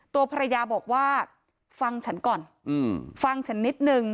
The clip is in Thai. ตัวภรรยาบอกว่าฟังฉันก่อนฟังฉันนิดนึง